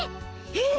えっ？